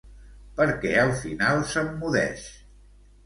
Per què al final s'emmudeix?